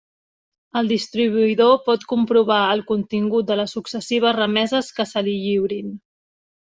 El distribuïdor pot comprovar el contingut de les successives remeses que se li lliurin.